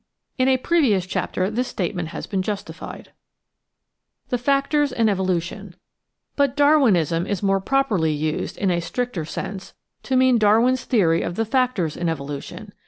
In a previous chapter this statement has been justified. S06 366 The Outline of Science The Factors in Evolution But "Darwinism" is more properly used, in a stricter sense, to mean Darwin's theory of the factors in evolution.